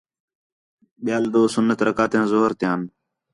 ٻِیال ݙُُو سُنّت رکعتیان ظُہر تیاں